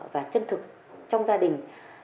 và chân thực trong gia đình